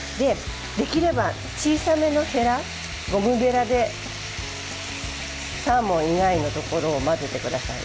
できれば、小さめのへらゴムべらでサーモン以外のところを混ぜてください。